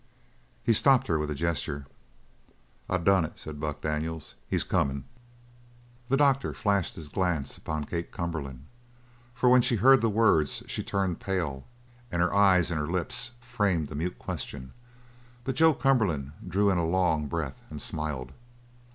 He stopped her with a gesture. "I done it!" said Buck Daniels. "He's comin'!" The doctor flashed his glance upon Kate Cumberland, for when she heard the words she turned pale and her eyes and her lips framed a mute question; but Joe Cumberland drew in a long breath and smiled.